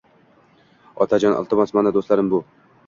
Otajon, iltimos, mana doʻstlarim bu.